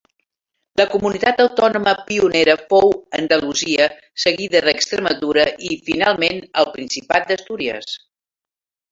La comunitat autònoma pionera fou Andalusia, seguida d'Extremadura i finalment el Principat d'Astúries.